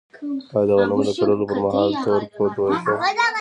آیا د غنمو د کرلو پر مهال تور کود ورکړم؟